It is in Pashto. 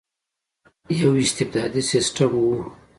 یو استبدادي سسټم وو.